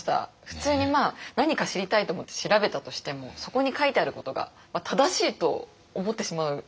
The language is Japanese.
普通に何か知りたいと思って調べたとしてもそこに書いてあることが正しいと思ってしまう。